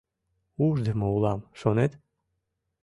Ушдымо улам, шонет?